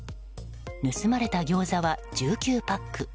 盗まれたギョーザは１９パック